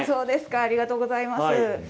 ありがとうございます。